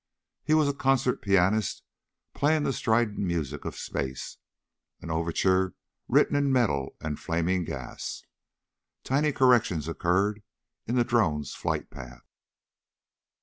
He was a concert pianist playing the strident music of space, an overture written in metal and flaming gas. Tiny corrections occurred in the Drone's flight path.